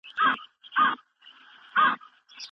ټولنیز نهادونه د ټولنې د اړتیاوو بدلون تعقیبوي.